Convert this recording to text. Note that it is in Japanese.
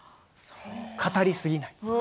語りすぎない。